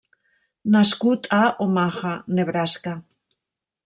Nascut a Omaha, Nebraska.